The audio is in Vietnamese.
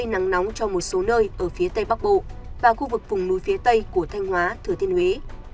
nắng nóng cho một số nơi ở phía tây bắc bộ và khu vực vùng núi phía tây của thanh hóa thừa thiên huế